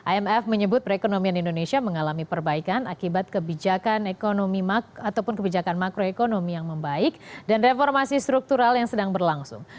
imf menyebut perekonomian indonesia mengalami perbaikan akibat kebijakan ekonomi ataupun kebijakan makroekonomi yang membaik dan reformasi struktural yang sedang berlangsung